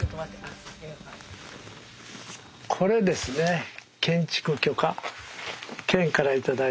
これですね建築許可。